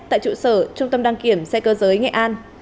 tại trụ sở trung tâm đăng kiểm xe cơ giới nghệ an